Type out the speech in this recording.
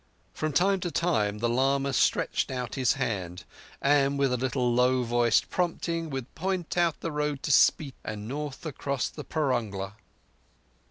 From time to time the lama stretched out his hand, and with a little low voiced prompting would point out the road to Spiti and north across the Parungla.